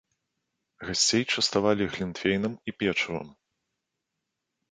Гасцей частавалі глінтвейнам і печывам.